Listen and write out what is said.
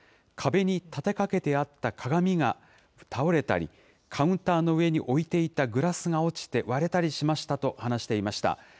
壁に立てかけてあった鏡が倒れたり、カウンターの上に置いていたグラスが落ちて割れたりしましたと話していました。